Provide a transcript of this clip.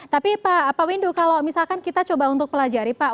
tapi pak windu kalau misalkan kita coba untuk pelajari pak